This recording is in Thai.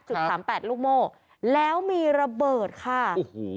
จุด๓๘ลูกโม่แล้วมีระเบิดค่ะ